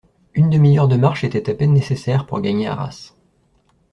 Une demi-heure de marche était à peine nécessaire pour gagner Arras.